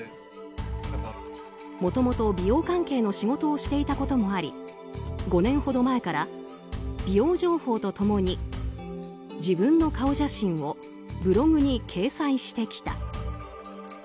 もともと美容関係の仕事をしていたこともあり５年ほど前から美容情報と共に自分の顔写真をブログに掲載してきた。